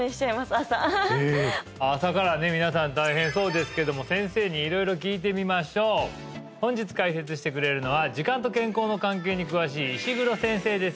朝ええ朝からね皆さん大変そうですけど先生に色々聞いてみましょう本日解説してくれるのは時間と健康の関係に詳しい石黒先生です